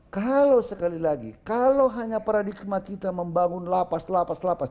kalau sekali lagi kalau hanya paradigma kita membangun lapas lapas lapas